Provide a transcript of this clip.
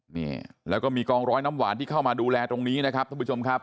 นี่แล้วก็มีกองร้อยน้ำหวานที่เข้ามาดูแลตรงนี้นะครับท่านผู้ชมครับ